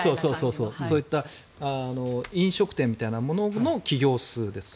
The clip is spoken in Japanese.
そういった飲食店みたいなものを起業するんですか？